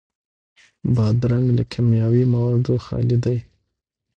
بادرنګ له کیمیاوي موادو خالي دی.